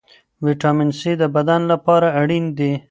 ویټامین سي د بدن لپاره اړین دی.